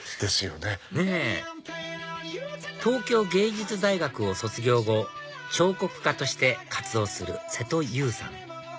ねぇ東京藝術大学を卒業後彫刻家として活動する瀬戸優さん